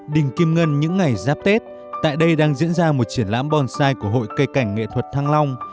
đình kim ngân những ngày giáp tết tại đây đang diễn ra một triển lãm bonsai của hội cây cảnh nghệ thuật thăng long